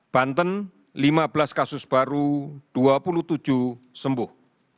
banten lima belas kasus baru dua puluh tujuh sembuh